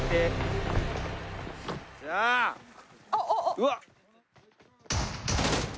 うわっ！